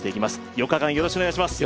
４日間、よろしくお願いします。